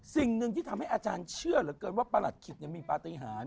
สิ่งหนึ่งที่ทำให้อาจารย์เชื่อเหลือเกินว่าประหลัดขิกมีปฏิหาร